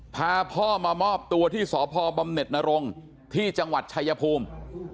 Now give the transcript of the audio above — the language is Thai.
พาพ่อมามอบตัวที่สพบำเน็ตนรงค์ที่จังหวัดชายภูมิ